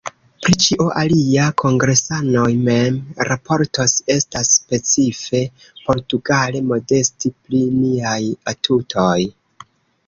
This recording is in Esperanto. Pri ĉio alia kongresanoj mem raportos — estas specife portugale modesti pri niaj atutoj.